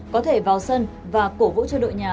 có thể vào sân và cổ vũ cho đội nhà